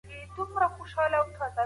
هر وګړی د سياست اغېز احساسوي.